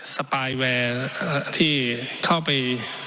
สปายแวร์ที่เข้าไป